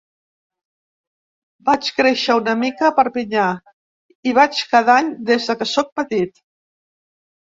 Vaig créixer una mica a Perpinyà, hi vaig cada any des que sóc petit.